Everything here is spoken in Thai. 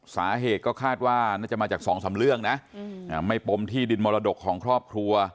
สาเหตุก็คาดว่าน่าจะมาจากสองสามเรื่องนะไม่ปมที่ดินมรดกของครอบครัว